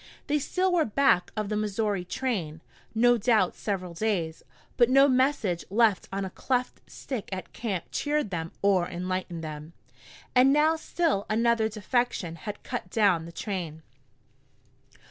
They still were back of the Missouri train, no doubt several days, but no message left on a cleft stick at camp cheered them or enlightened them. And now still another defection had cut down the train.